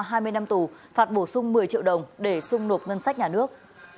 hai mươi năm tù phạt bổ sung một mươi triệu đồng để sung nộp ngân sách nhà nước